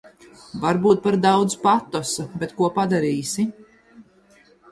Varbūt par daudz patosa, bet ko padarīsi.